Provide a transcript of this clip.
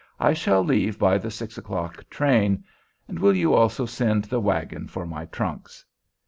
I shall leave by the six o'clock train. And will you also send the wagon for my trunks?"